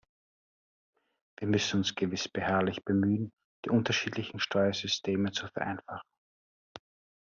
Wir müssen uns gewiss beharrlich bemühen, die unterschiedlichen Steuersysteme zu vereinfachen.